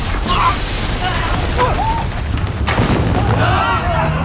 ああ！